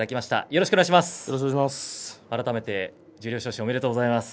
よろしくお願いします。